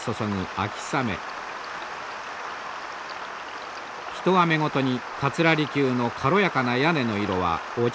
一雨ごとに桂離宮の軽やかな屋根の色は落ち着きを増していきます。